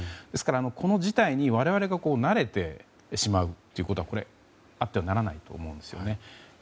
ですから、この事態に我々が慣れてしまうということはあってはならないと思うんですよね。